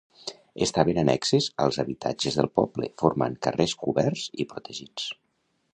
Estaven annexes als habitatges del poble formant carrers coberts i protegits.